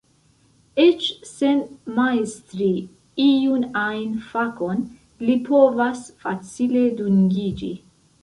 Eĉ sen majstri iun ajn fakon li povas facile dungiĝi.